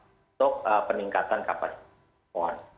untuk peningkatan kapasitas respon